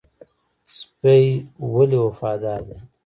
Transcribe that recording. سپی ولې وفادار دی؟